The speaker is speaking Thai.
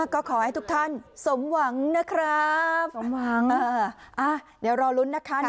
ก็ขอให้ทุกท่านสมหวังนะครับสมหวังเดี๋ยวรอลุ้นนะคะ